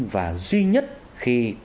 và duy nhất khi